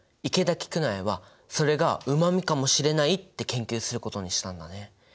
池田菊苗はそれがうま味かもしれないって研究することにしたんだね。